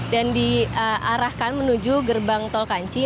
dan diarahkan menuju gerbang tol kanci